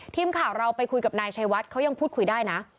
ทีมข่าวเราไปคุยกับนายชัยวัดเขายังพูดคุยได้นะ